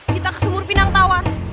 kita ke sumur pinang tawar